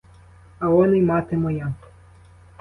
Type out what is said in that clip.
А он і мати моя.